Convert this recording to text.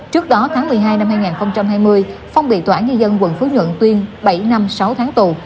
trước đó tháng một mươi hai năm hai nghìn hai mươi phong bị tỏa như dân quận phước nhuận tuyên bảy năm sáu tháng tù